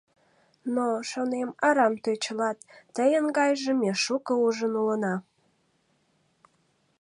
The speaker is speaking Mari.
Но, — шонем, — арам тӧчылат, тыйын гайжым ме шуко ужын улына!